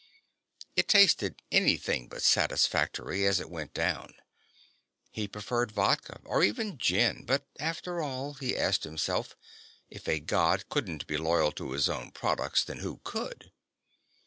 It tasted anything but satisfactory as it went down; he preferred vodka or even gin, but after all, he asked himself, if a God couldn't be loyal to his own products, then who could?